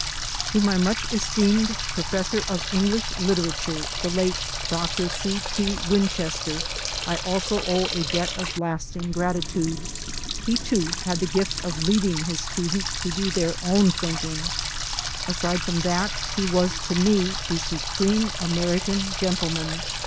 To my much esteemed Professor of English Lit erature, the late Dr. C. T. Winchester, I also owe a debt of lasting gratitude. He, too, had the gift of leading his students to do their own thinking. 178 THE SOUL OF AN IMMIGRANT Aside from that, he was to me the supreme Ameri can gentleman.